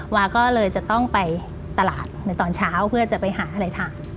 วาก็เลยจะต้องไปตลาดในตอนเช้าเพื่อจะไปหาอะไรทาน